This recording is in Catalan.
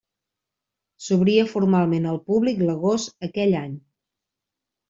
S'obria formalment al públic l'agost aquell any.